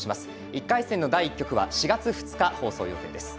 １回戦の第１局は４月２日放送予定です。